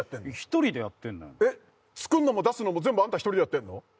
１人でやってんのよえっ作んのも出すのも全部あんた１人でやってんの？